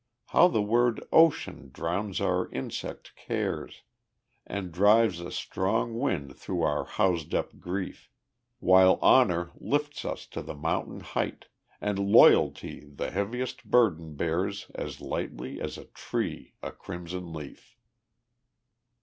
How the word "Ocean" drowns our insect cares, And drives a strong wind through our housed up grief. While "Honor" lifts us to the mountain height; And "Loyalty" the heaviest burden bears As lightly as a tree a crimson leaf.